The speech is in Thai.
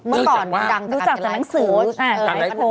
เมื่อก่อนรู้จักจากไลฟ์โค้ด